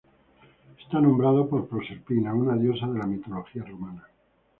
Está nombrado por Proserpina, una diosa de la mitología romana.